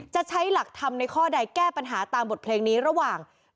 จะใช้หลักธรรมในข้อใดแก้ปัญหาตามบทเพลงนี้ระหว่าง